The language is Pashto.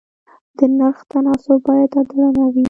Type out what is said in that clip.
د نرخ تناسب باید عادلانه وي.